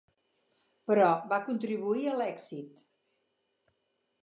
Però va contribuir a l'èxit.